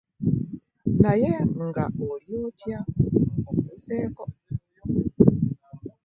Naye nga oli otya?, ombuzeeko.